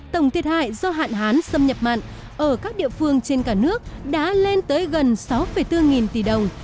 tổng thiệt hại do hạn hán xâm nhập mặn ở các địa phương trên cả nước đã lên tới gần sáu bốn nghìn tỷ đồng